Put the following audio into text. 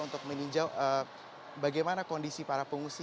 untuk meninjau bagaimana kondisi para pengungsi